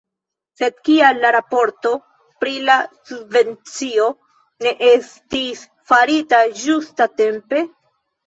Sed kial la raporto pri la subvencio ne estis farita ĝustatempe?